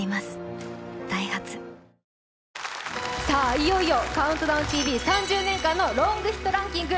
いよいよ、「ＣＤＴＶ」３０年間のロングヒットランキング